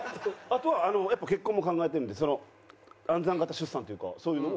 あとはやっぱ結婚も考えてるんで安産型出産というかそういうのも。